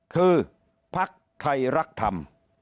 คือภักดิ์ไทยรักธรรม